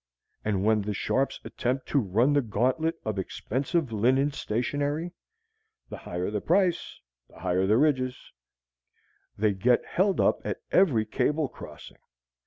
And when the Sharps attempt to run the gauntlet of expensive linen stationery (the higher the price, the higher the ridges), they get held up at every cable crossing.